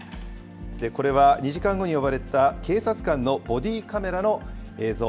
これは２時間後に呼ばれた警察官のボディーカメラの映像。